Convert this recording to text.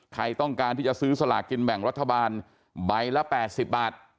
ใครต้องการที่จะซื้อสลากกินแบ่งรัฐบาลใบละ๘๐บาท